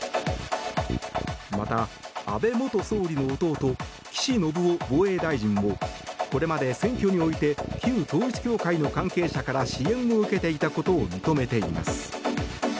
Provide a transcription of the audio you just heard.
また、安倍元総理の弟岸信夫防衛大臣もこれまで選挙において旧統一教会の関係者から支援を受けていたことを認めています。